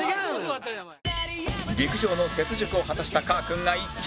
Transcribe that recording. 陸上の雪辱を晴らしたかーくんが１着